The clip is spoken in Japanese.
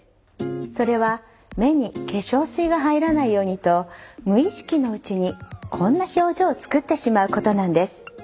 それは目に化粧水が入らないようにと無意識のうちにこんな表情を作ってしまうことなんです。